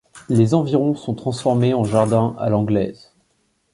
Les environs sont transformés en jardins à l'anglaise.